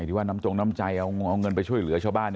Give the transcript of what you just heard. ที่ว่าน้ำจงน้ำใจเอาเงินไปช่วยเหลือชาวบ้าน